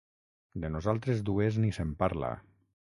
De nosaltres dues ni se'n parla.